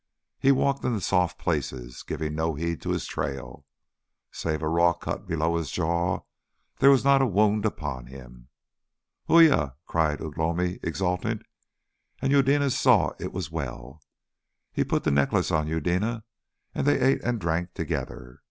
He walked in the soft places, giving no heed to his trail. Save a raw cut below his jaw there was not a wound upon him. "Uya!" cried Ugh lomi exultant, and Eudena saw it was well. He put the necklace on Eudena, and they ate and drank together.